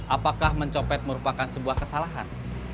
apakah mencopet merupakan sebuah kesalahan